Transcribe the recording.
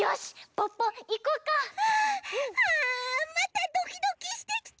ああまたドキドキしてきた！